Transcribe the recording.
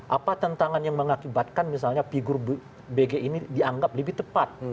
apa tantangan yang mengakibatkan misalnya figur bg ini dianggap lebih tepat